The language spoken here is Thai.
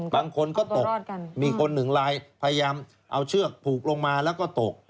บางคนก็ตกมีคนหนึ่งลายพยายามเอาเชือกผูกลงมาแล้วก็ตก